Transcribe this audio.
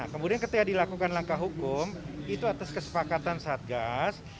kemudian ketika dilakukan langkah hukum itu atas kesepakatan satgas